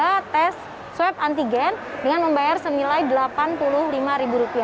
saya telah menjalani tes swab antigen dengan membayar senilai rp delapan puluh lima